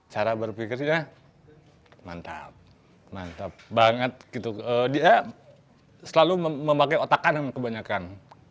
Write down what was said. cara berpikirnya mantap mantap banget dia selalu memakai otakan kebanyakan